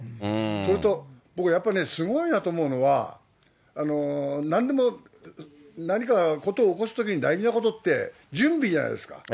それと僕、やっぱね、すごいなと思うのは、なんでも何か事を起こすときに大事なことって、準備じゃないですか。